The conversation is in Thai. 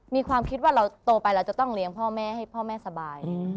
มีความคิดว่าเราโตไปเราจะต้องเลี้ยงพ่อแม่ให้พ่อแม่สบาย